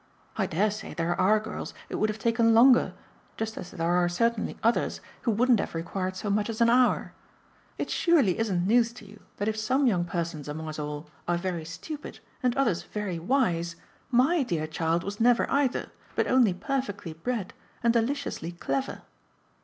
I dare say there are girls it would have taken longer, just as there are certainly others who wouldn't have required so much as an hour. It surely isn't news to you that if some young persons among us all are very stupid and others very wise, MY dear child was never either, but only perfectly bred and deliciously clever.